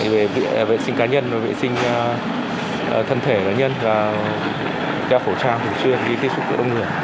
vệ sinh cá nhân vệ sinh thân thể cá nhân đeo phổ trang thường xuyên đi tiếp xúc với đông người